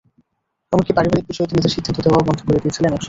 এমনকি পারিবারিক বিষয়ে তিনি তার সিদ্ধান্ত দেওয়াও বন্ধ করে দিয়েছিলেন একসময়।